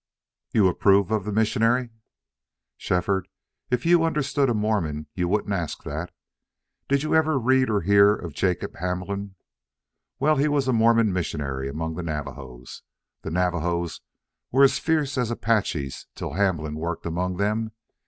"You approve of the missionary?" "Shefford, if you understood a Mormon you wouldn't ask that. Did you ever read or hear of Jacob Hamblin?... Well, he was a Mormon missionary among the Navajos. The Navajos were as fierce as Apaches till Hamblin worked among them.